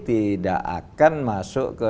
tidak akan masuk ke